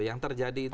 yang terjadi itu